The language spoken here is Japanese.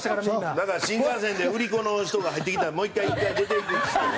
だから新幹線で売り子の人が入ってきたらもう１回１回出ていくっつってね。